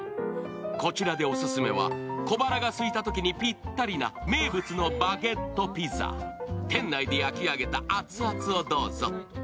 こちらでオススメは、小腹がすいたときにぴったりな名物のバゲットピザ店内で焼き上げた熱々をどうぞ。